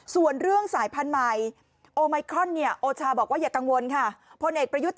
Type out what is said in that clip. ส่วนเรื่องสายพันธ์มาย